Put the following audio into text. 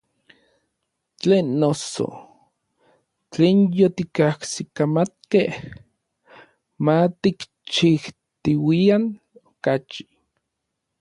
Tlen noso, tlen yotikajsikamatkej, ma tikchijtiuian okachi.